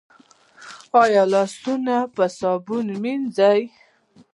ایا لاسونه مو صابون مینځئ؟